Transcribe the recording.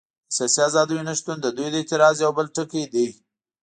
د سیاسي ازادیو نه شتون د دوی د اعتراض یو بل ټکی دی.